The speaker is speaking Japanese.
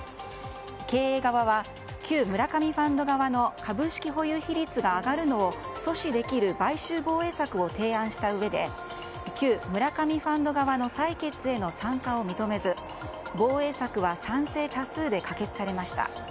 経営側は旧村上ファンド側の株式保有比率が上がるのを阻止できる買収防衛策を提案したうえで旧村上ファンド側の採決への参加を認めず防衛策は賛成多数で可決されました。